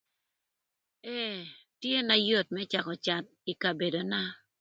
Ee tye na yot më cakö cath ï kabedona.